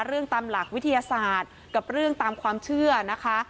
เรื่องตามหลักวิทยาศาสตร์กับเรื่องตามความเชื่อนะคะ